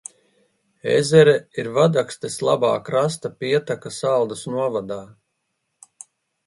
Ezere ir Vadakstes labā krasta pieteka Saldus novadā.